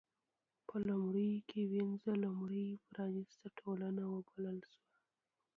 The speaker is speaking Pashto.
په لومړیو کې وینز لومړۍ پرانېسته ټولنه وبلل شوه.